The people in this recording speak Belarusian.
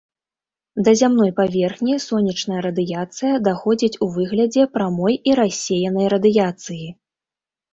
Да зямной паверхні сонечная радыяцыя даходзіць у выглядзе прамой і рассеянай радыяцыі.